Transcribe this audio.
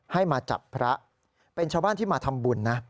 ให้มาจับพระเป็นชาวบ้านที่มาทำบุญนะ